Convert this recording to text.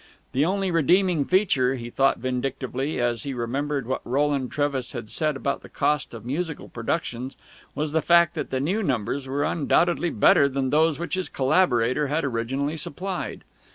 The only redeeming feature, he thought vindictively, as he remembered what Roland Trevis had said about the cost of musical productions, was the fact that the new numbers were undoubtedly better than those which his collaborator had originally supplied.